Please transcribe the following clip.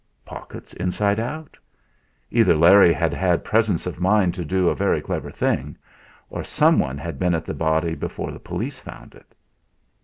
"Pockets inside out!" Either Larry had had presence of mind to do a very clever thing, or someone had been at the body before the police found it.